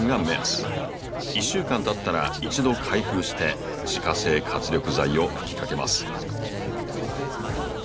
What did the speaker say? １週間たったら一度開封して自家製活力剤を吹きかけます。